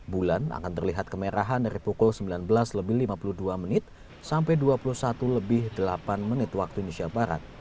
bulan akan terlihat kemerahan dari pukul sembilan belas lebih lima puluh dua menit sampai dua puluh satu lebih delapan menit waktu indonesia barat